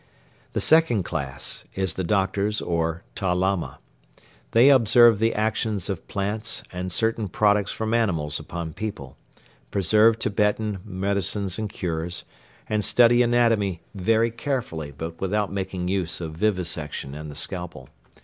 The second class is the doctors or "Ta Lama." They observe the actions of plants and certain products from animals upon people, preserve Tibetan medicines and cures, and study anatomy very carefully but without making use of vivisection and the scalpel.